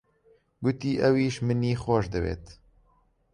گوتی کە ئەویش منی خۆش دەوێت.